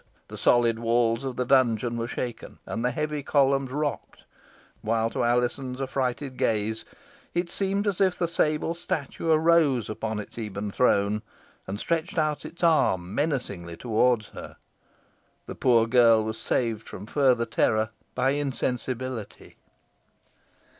The solid walls of the dungeon were shaken, and the heavy columns rocked; while, to Alizon's affrighted gaze, it seemed as if the sable statue arose upon its ebon throne, and stretched out its arm menacingly towards her. The poor girl was saved from further terror by insensibility.